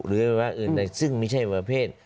หรืออะไรอื่นซึ่งไม่ใช่อวัยวะเพศ